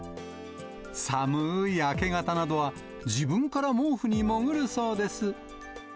寒い明け方などは、自分から毛布に潜るそうです。